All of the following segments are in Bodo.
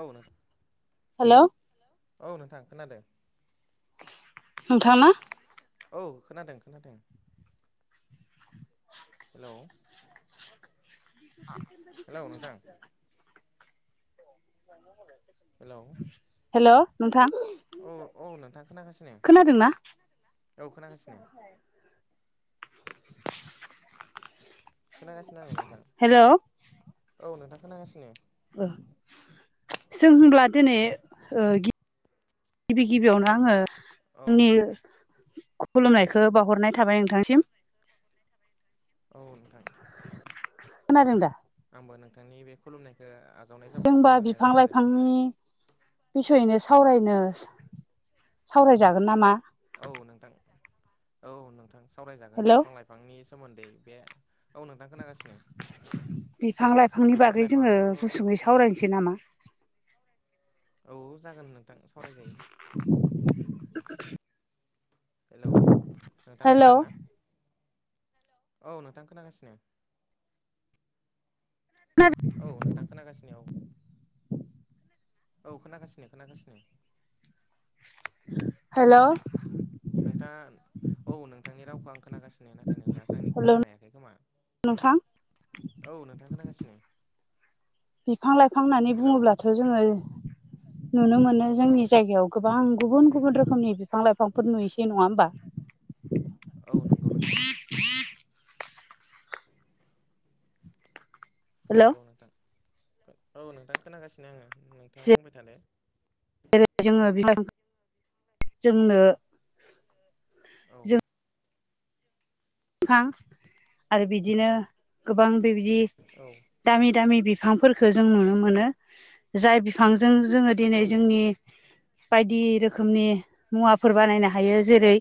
औ नोंथां हेलौ औ नोंथां खोनादों नोंथांना औ खोनादों खोनादों हेलौ हेलौ नोंथां [inaudible] हेलौ हेलौ नोंथां औ औ नोंथां खोनाखासिनो खोनादोंना औ खोनागासिनो खोनागासिनो आङो नोंथां हेलौ औ नोंथां खोनागासिनो जों होनब्ला दिनै गिबि गिबियावनो आङो औ आंनि खुलुमनायखौ बावहरनाय थाबाय नोंथांसिम औ औ नोंथां खोनादोंदा आंबो नोंथांनि बे खुलुमनायखौ आजावनाय जाबाय औ जोंबा नोंथां खोनादों दसे ओरैनो सावरायनो सावरायजागोन नामा औ नोंथां औ नोंथां सावरायजागोन हेलौ बिफां लाइफां बिफांनि सोमोन्दै बे औ नोंथां खोनागासिनो बिफां लाइफांनि बिफां बागै जोङो लाइफाङाथ' गुसुङै सावरायनोसै नामा औ जागोन नोंथां सावरायजायो [inaudible] हेलौ नोंथां हेलौ खोनादोंना औ नोंथां खोनागासिनो औ नोंथां खोनागासिनो औ औ खोनागासिनो खोनागासिनो हेलौ नोंथाङा औ नोंथांनि रावखौ आं खोनागासिनो नाथाय नोंथाङसो आंनिखौ हेलौ खोनानो हायाखै खोमा नोंथां औ नोंथां खोनागासिनो बिफां लाइफां होननानै हेलौ बुङोब्लाथ जोङो नुनो मोनो औ जोंनि जायगायाव गोबां गुबुन गुबुन रोखोमनि बिफां लाइफांफोर नुयोसै नङा होमबा औ नंगौ नोंथां [inaudible] हेलौ नंगौ नोंथां औ नोंथां खोनागासिनो आङो नोंथाङा बुंबाय थालाय जेरै जोङो बिफां जोंनो औ जों आरो बिदिनो गोबां बेबायदि औ दामि दामि बिफांफोरखौ जों नुनो मोनो जाय बिफांजों जोङो दिनै औ जोंनि बायदि रोखोमनि मुवाफोर बानायनो हायो जेरै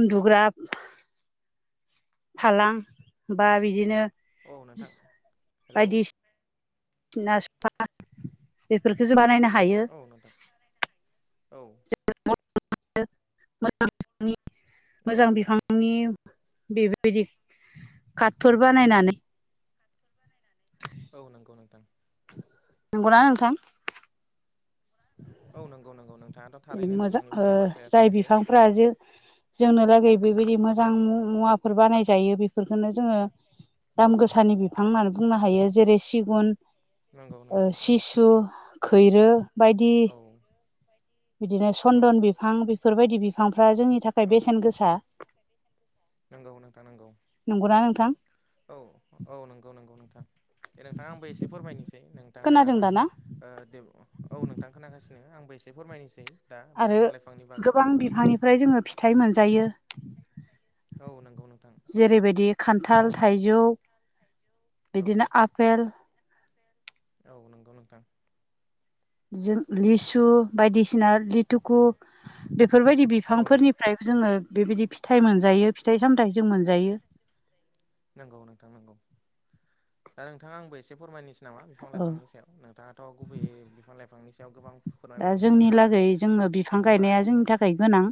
उन्दुग्रा फालां बा बिदिनो औ नोंथां हेलौ सफा बेफोरखौसो बानायनो हायो औ नोंथां औ [unintelligible] औ मोजां नोंथां बिफां नि बेबायदि कार्टफोर बानायनानै [inaudible] औ नंगौ नोंथां नंगौना नोंथां औ नोंगौ नोंगौ नोंथां मोजां जाय बिफांफोरा जो जोंनो लागै बेबायदि मोजां मुवाफोर बानाय जायो बेफोरखौनो जोङो औ दाम गोसानि बिफां होननानै बुंनो हायो जेरै सिगुन नंगौ नोंथां सिसु खैरो बायदि औ बिदिनो औ सन्दन बिफां बेफोरबायदि बिफांफ्रा जोंनि नि थाखाय बेसेन गोसा नंगौ नोंथां नंगौ नंगौना नोंथां औ औ नंगौ नंगौ नोंथां दे नोंथाङा आंबो एसे फोरमायनोसै नोंथाङा खोनादों दाना दे औ नोंथां खोनागासिनो आंबो एसे फोरमायनोसै दा आरो बिफां लाइफांनि बागै गोबां बिफांनिफ्राय जोङो फिथाइ मोनजायो औ नंगौ नोंथां जेरैबायदि खान्थाल थाइजौ औ बिदिनो आपेल औ नंगौ नोंथां जों लिसु बायदिसिना लिथुकु बेफोरबायदि बिफांफोरनि ओमफ्राय जोङो बेबायदि फिथाइ मोनजायो फिथाइ सामथाय जों मोनजायो नंगौ नोंथां नंगौ दा नोंथाङा आंबो एसे फोरमायनोसै नामा बिफां औ लाइफांनि सायाव नोंथाङाथ' गुबै बिफां लाइफांनि सायाव गोबां दा फोरमायबाय जोंनि नोंथाङा लागै जोङो बिफां गायनाया बुंबाय जोंनि थाखाय गोनां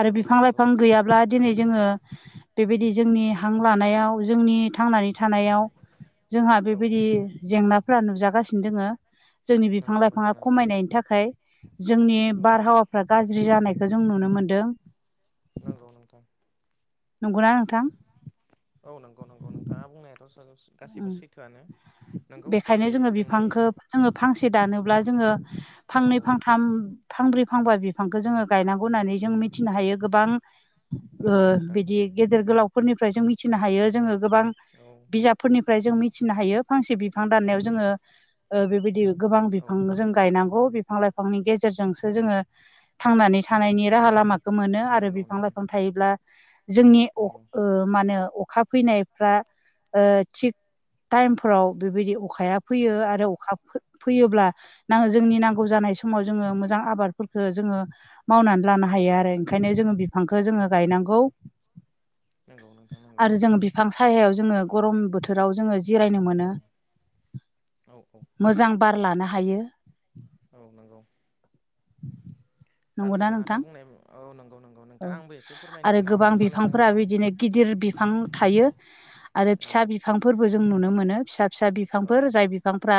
आरो औ बिफां नंगौ लाइफां नोंथां गैयाब्ला दिनै जोङो बेबायदि जोंनि हां लानायाव जोंनि थांनानै थानायाव जोंहा औ बेबायदि जेंनाफोरा नुजागासिनो दोङो जोंनि बिफां नंगौ लाइफाङा नोंथां नंगौ खमायनाय नि थाखाय जोंनि औ बारहावाफ्रा गाज्रि जानायखौ जों नुनो मोनदों नंगौ नोंथां नंगौना नोंथां औ नंगौ नंगौ नोंथाङा बुंनायाथ' सैथो बेखायनो दिनै जोङो जोंनि बिफांखौ जोङो फांसे दानोब्ला जोङो औ फांनै फांथाम फांब्रै फांबा बिफांखौ जोङो गायनांगौ होननानै जों मिथिनो हायो गोबां नंगौ नोंथां बिदि गेदेर गोलावफोरनिफ्राय जों मिथिनो हायो जोङो गोबां औ फोरनिफ्राय जों मिथिनो हायो फांसे बिफां औ दाननायाव जोङो बेबायदि गोबां औ बिफां जों गायनांगौ बिफां लाइफांनि गेजेरजोंसो जोङो थांनानै जोङो थानायनि राहा लामा मोनो आरो नंगौ बिफां नोंथां लाइफां थायोब्ला जोंनि नंगौ मा होनो अखा फैनायफ्रा थिग टाइमफोराव बेबायदि अखाया फैयो नंगौ आरो अखा फैयोब्लाो जोंनि नांगौ जानाय समाव जोङो मोजां आबादफोरखौ जोङो मावनानै लानो हायो आरो ओंखायनो जोङो बिफांखौ जोङो गायनांगौ नांगौ नोंथां नांगौ आरो जोङो बिफां सायायाव जोङो गरम बोथोराव जोङो जिरायनो मोनो औ औ औ मोजां बार लानो हायो औ नंगौ दा नंगौना नोंथां नोंथाङाथ' बुंनाय औ नंगौ नंगौ औ नोंथां आंबो एसे आरो फोरमायनोसै नामा गोबां बिफां लाइफांनि बिफांफोरा सायाव बिदिनो गिदिर बिफां थायो आरो औ फिसा बिफां बिफांफोरबो जों नुनो मोनो फिसा फिसा औ बिफांफोर जाय बिफांफ्रा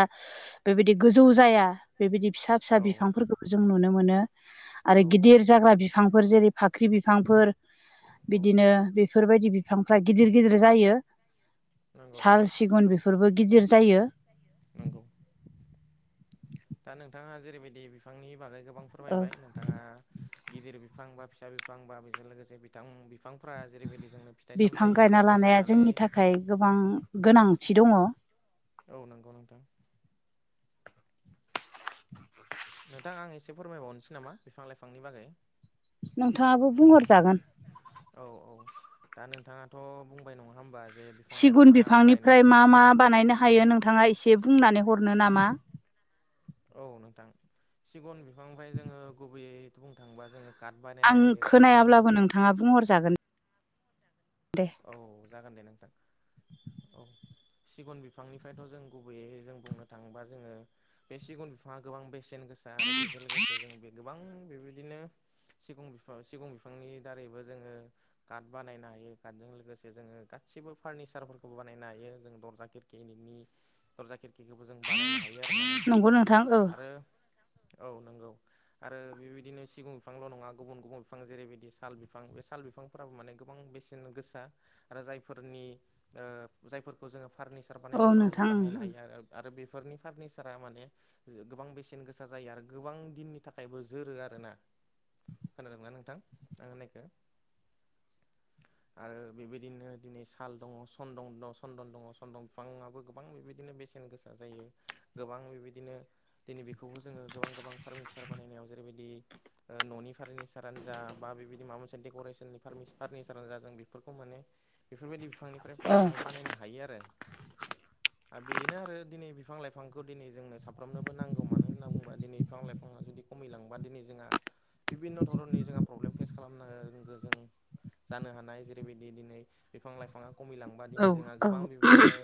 बेबायदि गोजौ जाया बेबायदि फिसा फिसा औ बिफांफोरखौबो जों नुनो मोनो आरो औ गिदिर जाग्रा बिफांफोर जेरै फाख्रि बिफांफोर औ बिदिनो बेफोरबायदि बिफांफ्रा गिदिर गिदिर जायो नंगौ साल नोंथां सिगुन बेफोरबो गिदिर जायो नंगौ दा नोंथाङा जेरैबायदि बिफांनि बागै गोबां गोबां औ फोरमायबाय नों बिथाङा गिदिर बिफां बा फिसा बिफां बा बेजों लोगोसे बिथां बिफांफ्रा जेरैबायदि जोंनो फिथाइ बिफां सामथाइ होयो गायना जायखौ लानाया जानानै जोंनि थाखाय गोबां गोनांथि दङ औ नंगौ नोंथां नोंथां आं एसे फोरमायबावनोसै नामा बिफां लाइफांनि बागै नोंथाङाबो बुंहरजागोन औ-औ दा नोंथाङाथ' बुंबाय नङा होमबा जे बिफां सिगुन लाइफाङा बिफांनिफ्राय गायनांगौ मा मा बानायनो हायो नोंथाङा एसे बुंनानै हरनो नामा औ नोंथां सिगुन बिफांनिफ्राय जोङो गुबैयै बुंनो थाङोबा जोङो काट बानायनो आं हायो काटजों खोनायाब्लाबो लोगोसे नोंथाङा बुंहरजागोन दे औ जागोन दे नोंथां औ सिगुन बिफांनिफ्रायथ' जों गुबैयै जों बुंनो थाङोबा जोङो बे सिगुन बिफाङा गोबां बेसेन गोसा आरो बेजों लोगोसे जों बे गोबां बेबायदिनो सिगुं बिफां सिगुं बिफांनि दारैबो जोङो कात बानायनो हायो कातजों लोगोसे जोङो गासिबो फार्निसारफोरखौबो बानायनो हायो जों दरजा खिरकि [unintelligible] दरजा खिरखिखौबो जों बानायनो हायो आरोना नोंथां नंगौ औ आरो औ नंगौ आरो बेबायदिनो सिगुन बिफांल' नङा गुबुन गुबुन बिफां जेरैबायदि साल बिफां बे साल बिफांफोराबो माने गोबां बेसे गोसा आरो जायफोरनि जायफोरखौ जों फारनिसार हासार औ बानायनायफ्राव नोंथां बाहायनो हायो आरो आरो बेफोरनि फार्निचारा माने गोबां बेसेन गोसा जायो आरो गोबां दिननि थाखायबो जोरो आरोना खोनादोंना नोंथां आं होननायखो आरो बेबायदिनो दिनै साल दङ सन्दं दङ सन्दन दङ सन्दन बिफाङाबो गोबां बेबायदिनो बेसेन गोसा जायो गोबां बेबायदिनो दिनै बेखौबो जोङो गोबां गोबां फार्मिचार बानायनायाव जेरैबायदि न'नि फार्निचारानो जा बा बेबायदि माबा मोनसे डेक'रेसननि फारमिस नि [unintelligible] जों बेफोरखौ माने बेफोरबायदि बिफांनिफ्राय औ मान बानायनो हायो आरो [inaudible] द बेनो आरो दिनै बिफां लाइफांखौ दिनै जोंनो साफ्रोमनोबो नांगौ मानो होनना बुङोबा दिनै बिफां लाइफाङा जुदि खमायलांबा दिनै जोंहा बिभिन्न' धरननि जोंहा प्रब्लेम फेस खालामनांगौ जों जानो हानाय जेरैबायदि दिनै बिफां लाइफाङा खमिलांबा औ दिनै जोंहा औ गोबां बेबायदिनो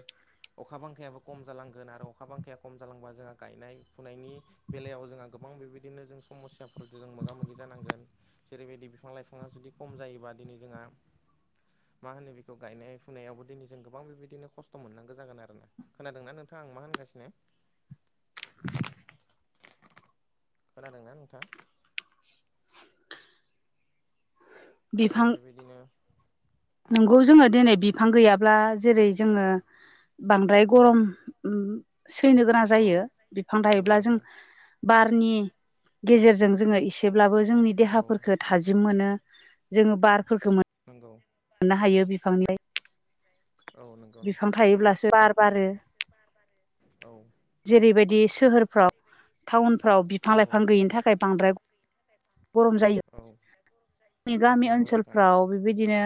अखा बांखायाबो खम जालांगोन आरो अखा बांखाया खम जालांबा जोंहा गायनाय फुनायनि बेलायाव जोंहा गोबां बेबायदिनो जों समस्याफोरजों जों मोगा मोगि जानांगोन जेरैबायदि बिफां लाइफाङा जुदि खम जायोबा दिनै जोंहा मा होनो बेखौ गायनाय फुनायावबो दिनै जों गोबां बेबायदिनो खस्थ' मोननांगौ जागोन आरोना खोनादोंना नोंथाङा आं मा होनगासिनो खोनादोंना नोंथाङा आरो बिफां बेबायदिनो नंगौ जोङो दिनै बिफां गैयाब्ला जेरै जोङो बांद्राय गरम ओम सैनो गोनां औ जायो बिफां नंगौ थायोब्ला जों नोंथां बारनि गेजेरजों जोङो एसेब्लाबो जोंनि औ देहाफोरखौ थाजिम मोनो जोङो बारफोरखौ मोन नंगौ मोननो हायो बिफांनिफ्राय औ नंगौ नोंथां थायोब्लासो बार बारो औ जेरैबायदि सोहोरफ्राव टाउनफ्राव बिफां औ लाइफां गैयिनि थाखाय बांद्राय गरम जायो औ जोंनि गामि नंगौ नोंथां ओनसोलफ्राव बेबायदिनो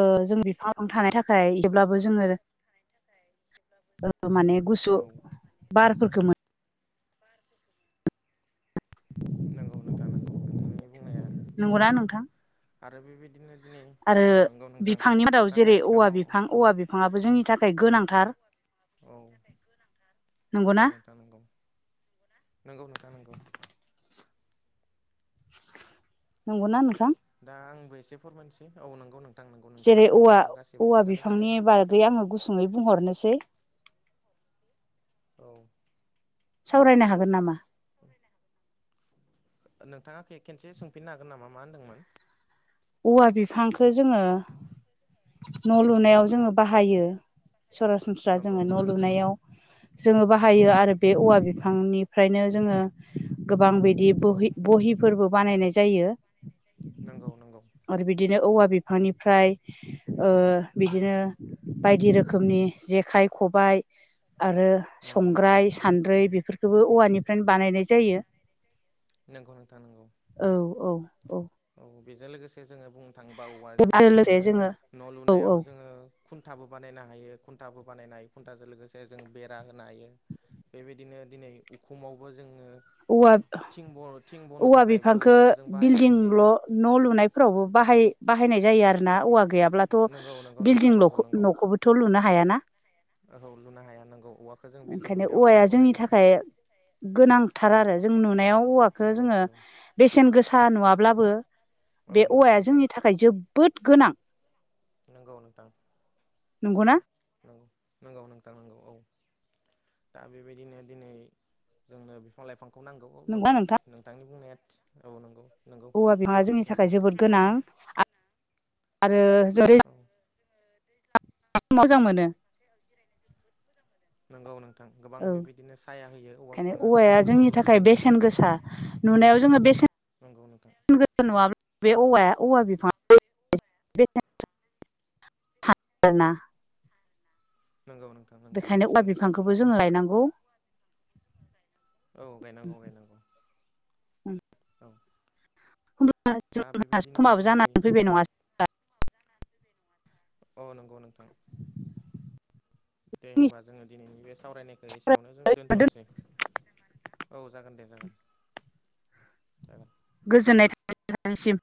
ओ जों बिफां लाइफां थानायनि थाखाय जेब्लाबो जोङो ओ माने गुसु औ बारफोरखो मोन [inaudible] नांगौ नोंथां नांगौ नोंथांनि बुंनाया मोनो नंगौना थिगानो नोंथां आरो बेबायदिनो दिनै आरो औ नंगौ नोंथां बिफांनि मादाव नाथाय जेरै औवा आथिखालाव बिफां औवा बिफाङाबो जोंनि थाखाय गोनांथार औ जोंनि थाखाय गोनांथार नंगौना नोंथां नंगौ नंगौ नोंथां नंगौ नंगौना नोंथां दा आंबो एसे फोरमायनोसै औ नंगौ नों जेरै औवा औवा जादों बिफांनि बागै आङो गुसुङै बुंहरनोसै औ सावरायनो हागोन नामा नोंथाङा खे खेनसे सोंफिननो हागोन नामा मा होनदोंमोन औवा बिफांखौ जोङो न' औ लुनायाव जोङो बाहायो औ सरासनस्रा नंगौ जोङो न' नोंथां लुनायाव जोङो औ बाहायो आरो बे औवा बिफांनिफ्रायनो जोङो गोबां बिदि औ बहि बहिफोरबो बानायनाय जायो नंगौ नंगौ आरो बिदिनो औवा बिफांनिफ्राय ओ बिदिनो बायदि रोखोमनि जेखाइ खबाय आरो नंगौ नोंथां संग्राय नंगौ सान्द्रै बेफोरखौबो औवानिफ्रायनो बानायनाय जायो नंगौ नोंथां नंगौ औ औ औ औ बेजों लोगोसे जोङो बुंनो थाङोबा औवानि आरो दारै लोगोसे जोङो न' औ लुनायाव जोङो खुन्थाबो बानायनो हायो खुन्थाबो बानायनो हायो खुन्थाजों लोगोसे जों बेरा होनो हायो बेबायदिनो दिनै उखुमावबो जोङो औवा थिं ब थिं बनो औवा थाखाय बे बिफांखौ औवाखौ जों बाहायनो बिल्डिंल' हायो न' लुनायफोरावबो बाहाय बाहायनाय जायो आरो ना औवा गैया ब्लाथ नंगौ नंगौ बिल्डिं नोंथां नंगौ नंगौ न'खौबोथ लुनो हायाना औ लुनो हाया नंगौ औवाखौ जों बिल्डिं ओंखायनो लुनायावबो औवाया नांगौ जोंनि जायो थाखाय गोनां गोनांथार औ आरो जों नुनायाव औवाखौ नंगौ जोङो नंगौ बेसेन गोसा नुवाब्लाबो बे औ नंगौ औवाया नोंथां जोंनि थाखाय जोबोद गोनां नंगौ नोंथां नंगौना औ नंगौ नोंथां नंगौ औ दा बेबायदिनो दिनै जोंनो बिफां लाइफांखौ नांगौ नंगौना नंगौ नोंथां नोंथांनि बुंनाया औ नंगौ नंगौ औवा बिमा जोंनि थाखाय नोंथां जोबोद गोनां आरो [unintelligible] ओम मोजां मोनो [unintelligible] जिरायनो जोबोद मोजां मोनो नंगौ नोंथां गोबां औ बेबायदिनो साया होयो औवा ओंखायनो बिफाङा गोबां औवाया जोंनि गुसु बार थाखाय होयो बेसेन जोंनि थाखाय गोसा नुनायाव जोङो बेसेन नंगौ नोंथां गोसा नुवाब्ला बे औवाया औवा बिफां [unintelligible] नंगौ नोंथां नंगौ बेखायनो औवा बेसेन गोसाथ बिफांखौबो आरो जोङो लायनांगौ औ गायनांगौ गायनांगौ औ। दा बेबायदिनो समाबो दिनै जानानै फैबाय नङा ना औ नंगौ नोंथां। दे होमबा जोङो दिनैनि बे सावरायनायखौ। एसेयावनो जों दोनथ'नोसै औ जागोन दे जागोन। औ। गोजोननाय थाबाय नोंथांनिसिमो